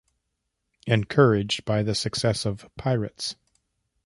Encouraged by the success of Pirates!